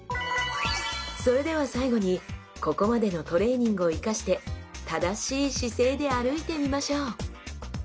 それでは最後にここまでのトレーニングを生かして正しい姿勢で歩いてみましょう！